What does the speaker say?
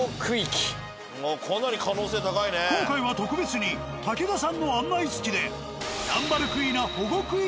今回は特別に竹田さんの案内付きで。